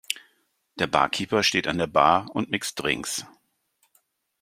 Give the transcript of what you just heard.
Der Barkeeper steht an der Bar und mixt Drinks.